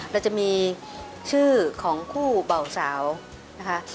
เราจะมีชื่อของคู่เบาสาวนะคะ